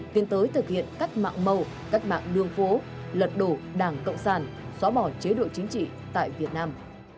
tiến tới thực hiện cách mạng màu cách mạng đường phố lật đổ đảng cộng sản xóa bỏ chế độ chính trị tại việt nam